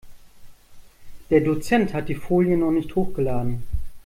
Der Dozent hat die Folien noch nicht hochgeladen.